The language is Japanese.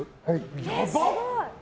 やばっ！